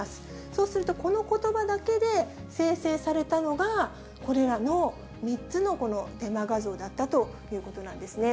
そうすると、このことばだけで生成されたのが、これらの３つのこのデマ画像だったということなんですね。